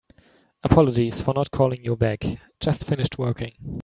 Apologies for not calling you back. Just finished working.